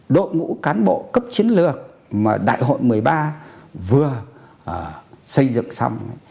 đội ngũ cán bộ cấp chiến lược mà đại hội một mươi ba vừa xây dựng xong